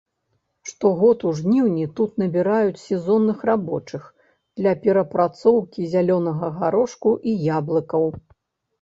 Штогод у жніўні тут набіраюць сезонных рабочых для перапрацоўкі зялёнага гарошку і яблыкаў.